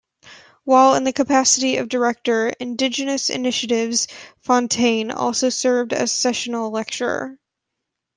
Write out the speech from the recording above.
While in the capacity of Director, Indigenous Initiatives, Fontaine also served as Sessional Lecturer.